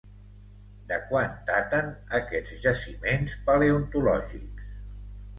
De quan daten aquests jaciments paleontològics?